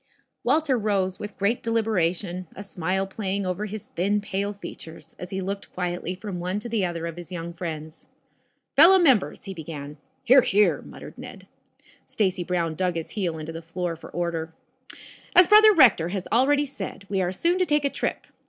Walter rose with great deliberation, a smile playing over his thin, pale features, as he looked quietly from one to the other of his young friends. "Fellow members," he began. "Hear, hear!" muttered Ned. Stacy Brown dug his heel into the floor for order. "As brother Rector already has said, we are soon to take a trip.